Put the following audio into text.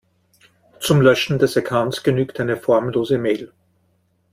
Zum Löschen des Accounts genügt eine formlose Mail.